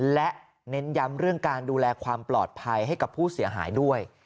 และเน้นย้ำเรื่องการดูแลความปลอดภัยให้กับผู้เสียหายด้วย